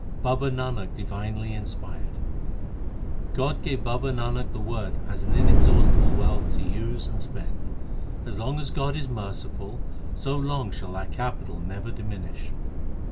Baba Nanak divinely inspired : God gave Baba Nanak the Word as an inexhaustible wealth to use and spend ; As long as God is merciful, so long shall that capital never diminish.